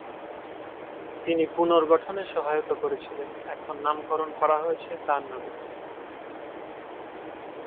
তিনি পুনর্গঠনে সহায়তা করেছিলেন, এখন নামকরণ করা হয়েছে তার নামে।